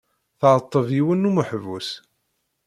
Tɛetteb yiwen n umeḥbus.